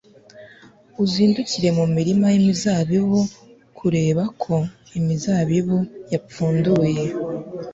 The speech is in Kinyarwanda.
uzindukire mu mirima y'imizabibu kureba ko imizabibu yapfunduye